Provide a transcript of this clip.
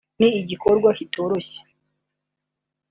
ni igikorwa kitoroshe